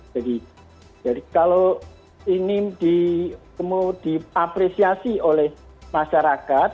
jadi kalau ini diapresiasi oleh masyarakat